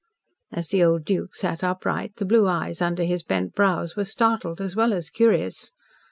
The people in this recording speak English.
As the old Duke sat upright, the blue eyes under his bent brows were startled, as well as curious.